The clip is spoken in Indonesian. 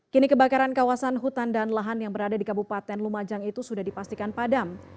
kini kebakaran kawasan hutan dan lahan yang berada di kabupaten lumajang itu sudah dipastikan padam